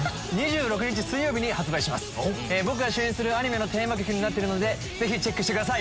僕が主演するアニメのテーマ曲になってるのでぜひチェックしてください